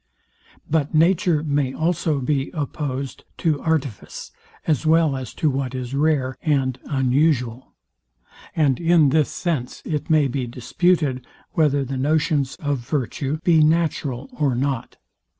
But nature may also be opposed to artifice, as well as to what is rare and unusual; and in this sense it may be disputed, whether the notions of virtue be natural or not.